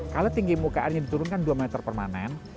kalau tinggi muka airnya diturunkan dua meter permanen